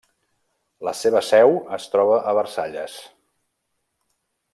La seva seu es troba a Versalles.